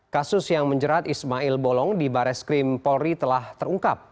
kasus yang menjerat ismail bolong di baris krim polri telah terungkap